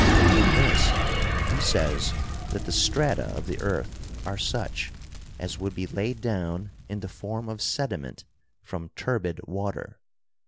In this he says that the strata of the earth are such as would be laid down in the form 38 GEOLOGY of sediment from turbid water.